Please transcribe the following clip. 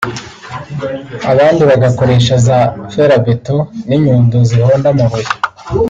abandi bagakoresha za ferabeto n’inyundo zihonda amabuye